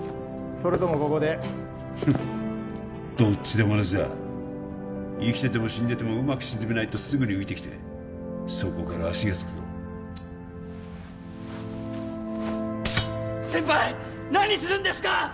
それともここでフッどっちでも同じだ生きてても死んでてもうまく沈めないとすぐに浮いてきてそこから足がつくぞ先輩何するんですか？